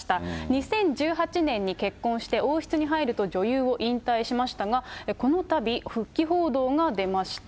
２０１８年に結婚して、王室に入ると女優を引退しましたが、このたび復帰報道が出ました。